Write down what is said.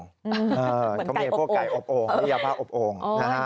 พวกไก่อบโอ่งยาบ้าอบโอ่ง